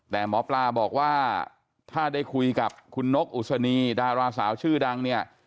แต่หมอปลาบอกว่าถ้าได้คุยกับคุณนกอุศนีดาราสาวชื่อดังเนี่ย